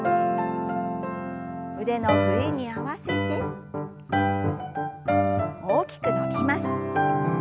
腕の振りに合わせて大きく伸びます。